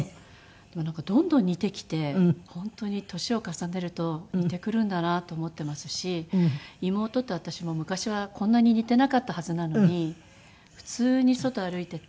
でもどんどん似てきて本当に年を重ねると似てくるんだなと思ってますし妹と私も昔はこんなに似てなかったはずなのに普通に外歩いてて。